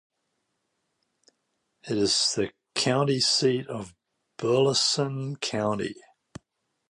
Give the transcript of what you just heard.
It is the county seat of Burleson County.